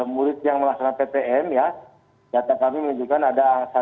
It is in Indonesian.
murid yang melaksanakan ptm ya data kami menunjukkan ada satu tiga ratus tujuh puluh dua ratus dua puluh lima